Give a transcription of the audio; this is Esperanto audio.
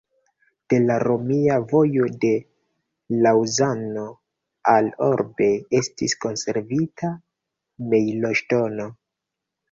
De la romia vojo de Laŭzano al Orbe estis konservita mejloŝtono.